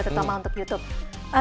terutama untuk youtube